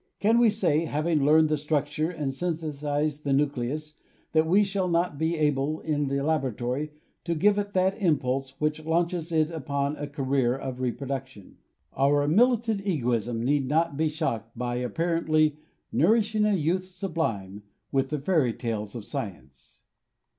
Can we say, having learned the structure and synthetized the nucleus, that we shall not be able in the laboratory to give it that impulse which launches it upon a career of reproduction? Our militant egoism need not be shocked by apparently Nourishing a youth sublime With the fairy tales of science.